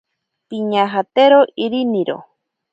Piñajatero iriniro.